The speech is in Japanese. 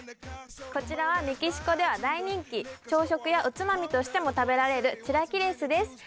こちらはメキシコでは大人気朝食やおつまみとしても食べられるチラキレスです